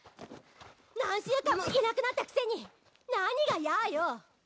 何週間もいなくなったくせに何が「やあ」よ！